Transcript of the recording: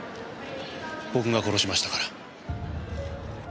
僕が殺しましたから。